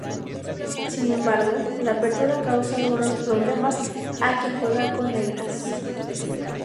Sin embargo, la apertura causa algunos problemas a quien juega con negras.